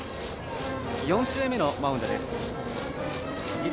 ４試合目のマウンドです、日當。